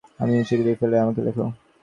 এইটি শীগগির করে ফেলে আমাকে লেখো।